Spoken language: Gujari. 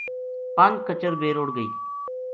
پنج کچر بے رُڑھ گئی